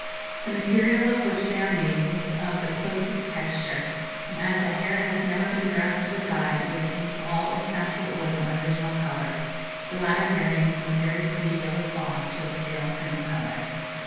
The material of which they are made is of the closest texture, and as the hair has never been dressed or dyed it retains all its natural oil and original colour, the latter varying from a very pretty yellow fawn to a pale cream colour.